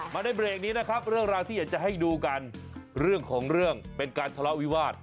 ในเบรกนี้นะครับเรื่องราวที่อยากจะให้ดูกันเรื่องของเรื่องเป็นการทะเลาะวิวาส